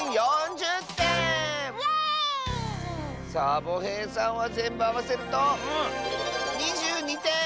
サボへいさんはぜんぶあわせると２２てん！